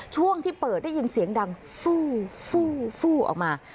ช่วงที่เปิดได้ยินเสียงดังฟูฟู้ออกมา